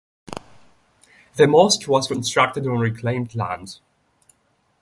The mosque was constructed on reclaimed land.